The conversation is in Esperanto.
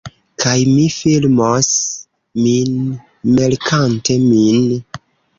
Kaj mi filmos min melkante min